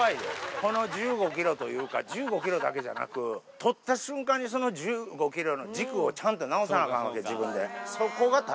この１５キロというか、１５キロだけじゃなく、とった瞬間に、その１５キロの軸をちゃんと直さないといけないわけ、自分で。